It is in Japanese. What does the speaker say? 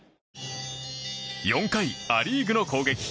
４回、ア・リーグの攻撃。